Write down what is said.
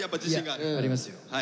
ありますよ。